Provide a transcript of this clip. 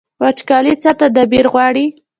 وچکالي څه تدبیر غواړي؟